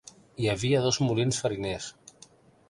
Hi havia dos molins fariners.